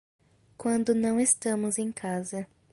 Quando não estamos em casa